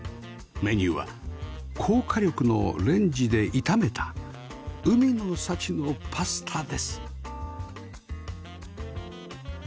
メニューは高火力のレンジで炒めた海の幸のパスタです